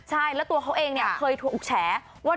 ใช่แล้วตัวเขาเองเนี่ยเคยถูกแฉว่า